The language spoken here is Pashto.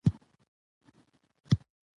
ځیني خلک د مېلو له پاره ځانګړي شعرونه وايي.